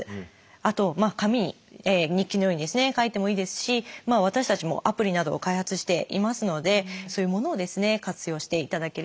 あと紙に日記のように書いてもいいですし私たちもアプリなどを開発していますのでそういうものを活用していただければなと思います。